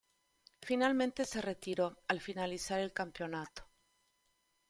Finalmente se retiró al finalizar el campeonato.